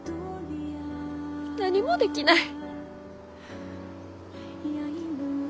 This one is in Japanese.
何もできない。